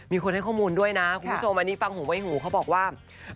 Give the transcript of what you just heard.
มีคนให้ข้อมูลด้วยนะคุณผู้ชมอันนี้ฟังหูไว้หูเขาบอกว่า